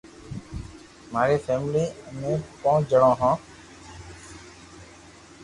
ماري فيملي امي پونچ جڻو ھون